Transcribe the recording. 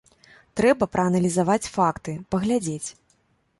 Трэба прааналізаваць факты, паглядзець.